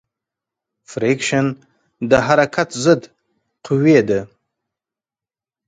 فریکشن د حرکت ضد قوې ده.